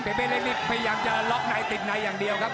เบ้เล็กพยายามจะล็อกในติดในอย่างเดียวครับ